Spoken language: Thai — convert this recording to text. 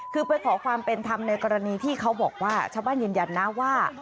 คือไปขอความเป็นธรรมในกรณีที่เขาบอกว่าชาวบ้านยืนยันนะว่า